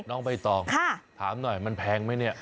น้องใบตองถามหน่อยมันแพงไหมเนี่ย